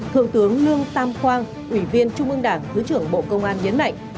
thượng tướng lương tam quang ủy viên trung ương đảng thứ trưởng bộ công an nhấn mạnh